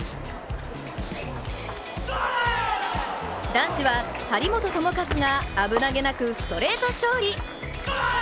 男子は張本智和が危なげなくストレート勝利。